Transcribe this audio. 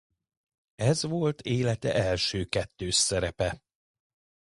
Ez volt élete első kettős szerepe.